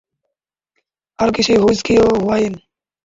আর কিছু হুইস্কি ও ওয়াইন?